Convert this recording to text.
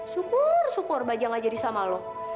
syukur syukur bajang gak jadi sama lo